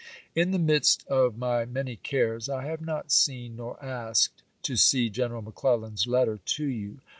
In the midst of my many cares, I have not seen nor asked to see General McClellan's letter to you.